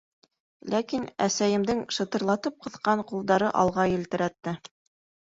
Ләкин әсәйемдең шытырлатып ҡыҫҡан ҡулдары алға елтерәтте.